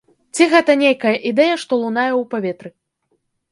Ці гэта нейкая ідэя, што лунае ў паветры.